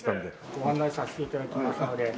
ご案内させて頂きますので。